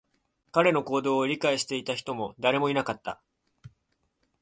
彼の行動を理解していた人も誰もいなかった